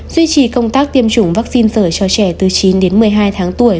duy trì công tác tiêm chủng vaccine sở cho trẻ từ chín một mươi hai tháng tuổi